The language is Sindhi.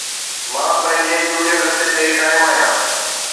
مان پنهنجي چونڊيل رستي تي قائم آهيان